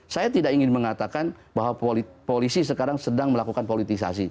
saya tidak ingin mengatakan bahwa polisi sekarang sedang melakukan politisasi